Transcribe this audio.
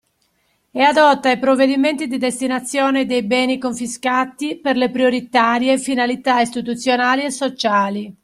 E adotta i provvedimenti di destinazione dei beni confiscati per le prioritarie finalità istituzionali e sociali